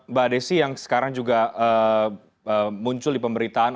mbak desi yang sekarang juga muncul di pemberitaan